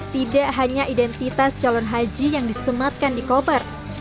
tidak hanya identitas calon haji yang disematkan di koper